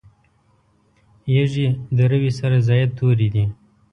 یږي د روي سره زاید توري دي.